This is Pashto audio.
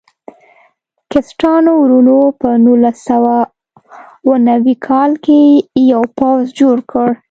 کسټانو وروڼو په نولس سوه اوه نوي کال کې یو پوځ جوړ کړ.